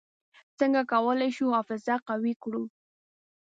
څنګه کولای شو حافظه قوي کړو؟